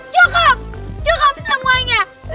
cukup cukup semuanya